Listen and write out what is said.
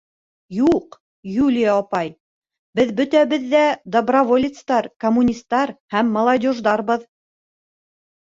— Юҡ, Юлия апай, беҙ бөтәбеҙ ҙә доброволецтар, коммунистар һәм молодеждарбыҙ.